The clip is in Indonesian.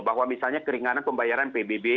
bahwa misalnya keringanan pembayaran pbb